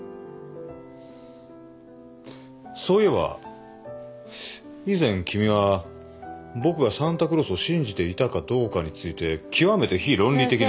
そういえば以前君は僕がサンタクロースを信じていたかどうかについて極めて非論理的な。